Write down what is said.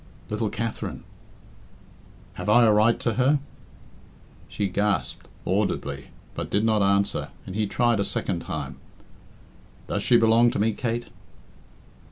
"Little Katherine!" "Have I a right to her?" She gasped audibly, but did not answer, and he tried a second time. "Does she belong to me, Kate?"